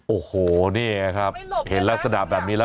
โอ้โหคุณนี้มันทางรถอะไรเนี่ย